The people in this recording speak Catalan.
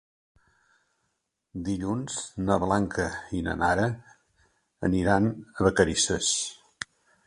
Dilluns na Blanca i na Nara aniran a Vacarisses.